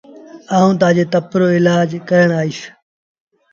آئوٚݩ تآجي تپ رو ايلآج ڪرآئيٚس۔